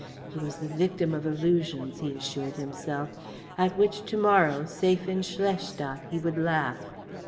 He was the victim of illusions, he assured himself, at which to morrow safe in Schlestadt he would laugh.